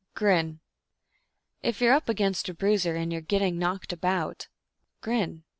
Grin If you're up against a bruiser and you're getting knocked about Grin.